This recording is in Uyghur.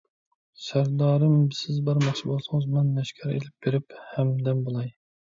سەردارىم، سىز بارماقچى بولسىڭىز، مەن لەشكەر ئېلىپ بېرىپ ھەمدەم بولاي.